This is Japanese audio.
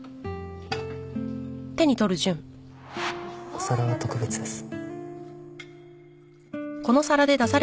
お皿は特別です。